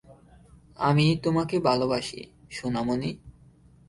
আমি তোমাকে ভালোবাসি, সোনামণি।